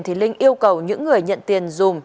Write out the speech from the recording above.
thì linh yêu cầu những người nhận tiền dùm